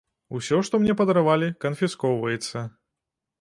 Усё, што мне падаравалі, канфіскоўваецца.